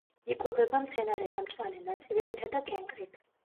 იკვებება მცენარეთა მწვანე ნაწილებითა და კენკრით.